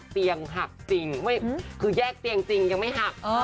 เตียงหักจริงคือแยกเตียงจริงยังไม่หัก